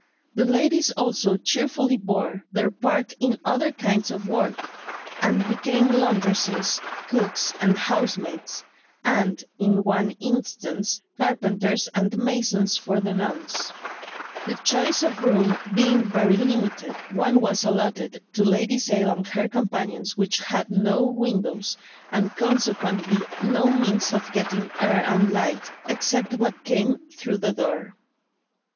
The ladies also cheerfully bore their part in other kinds of work, and became laundresses, cooks, and housemaids, and, in one instance, carpenters and masons for the nonce. The choice of rooms being very limited, one was allotted to Lady Sale and her companions which had no windows, and consequently no means of getting air and light, except what came through the door.